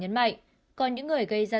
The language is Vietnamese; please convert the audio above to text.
nhấn mạnh còn những người gây ra